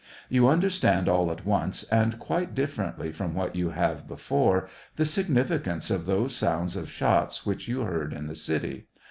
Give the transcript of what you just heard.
You understand all at once, and quite differently from what you ' have before, the significance of those sounds of shot s which you heard in the city.